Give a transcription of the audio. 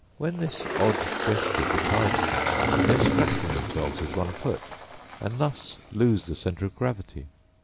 When this odd gesture betides them, they are scratching themselves with one foot, and thus lose the centre of gravity.